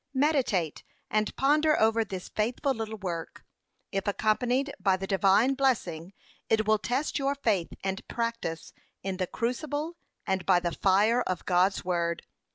Meditate and ponder over this faithful little work. If accompanied by the Divine blessing, it will test your faith and practice in the crucible and by the fire of God's word.